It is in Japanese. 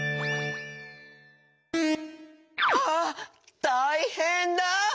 ああったいへんだ！